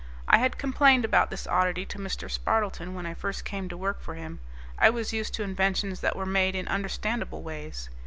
I had complained about this oddity to Mr. Spardleton when I first came to work for him; I was used to inventions that were made in understandable ways.